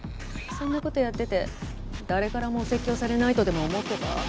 そんな事やってて誰からもお説教されないとでも思ってた？